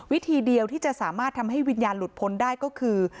วิธีเดียวที่จะสามารถทำให้วิญญาณหลุดพ้นได้ก็คือ